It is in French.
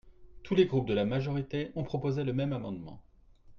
Tous les groupes de la majorité ont proposé le même amendement.